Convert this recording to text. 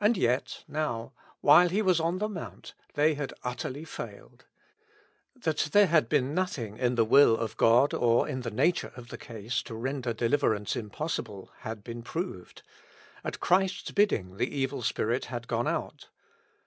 And yet now, while He was on the Mount, they had utterly failed, That there had been nothing in the will of God or in the nature of the case to render deliverance impossible, had been proved ; at Christ's bidding the evil spirit had gone out.